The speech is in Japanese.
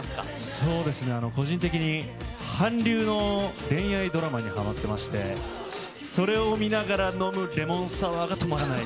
そうですね、個人的に韓流の恋愛ドラマにはまってまして、それを見ながら飲むレモンサワーが止まらない。